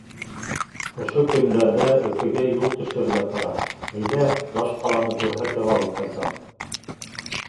Ошо көндәрҙә Өфөгә юл төшөргә тора — әйҙә баш ҡаланы күрһәтеп алып ҡайтам...